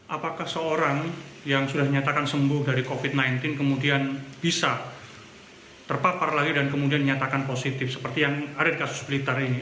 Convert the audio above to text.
apakah seorang yang sudah dinyatakan sembuh dari covid sembilan belas kemudian bisa terpapar lagi dan kemudian dinyatakan positif seperti yang ada di kasus blitar ini